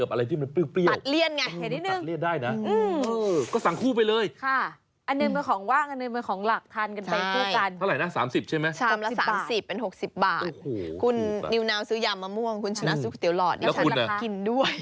เรามารวมกันแล้วมันก็เข้ากันได้เพราะว่าก๋วยเตี๊ยวหลอดมันก็หวาน